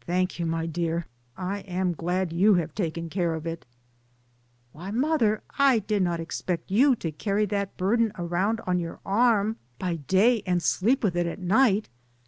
"Thank you, my dear, I am glad you have taken care of it." "Why, mother, I did not expect you to carry that burden around on your arm by day, and sleep with it at night.